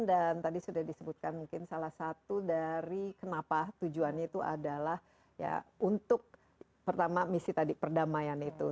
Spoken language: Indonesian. dan tadi sudah disebutkan mungkin salah satu dari kenapa tujuannya itu adalah ya untuk pertama misi tadi perdamaian itu